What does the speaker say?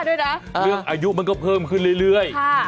เรื่องอายุมันก็เพิ่มขึ้นเรื่อย